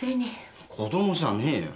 子供じゃねえよ。